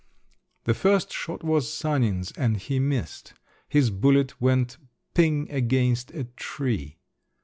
_" The first shot was Sanin's, and he missed. His bullet went ping against a tree.